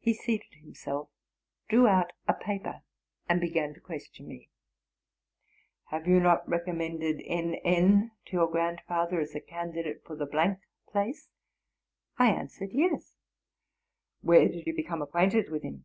He seated himself, drew out a paper, and began to question me: '* Have you not recommended N. N. to your grandfather as a candidate for the ... place?"' I answered '* Yes.'? —'* Where did you become acquainted with him